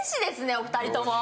お二人とも。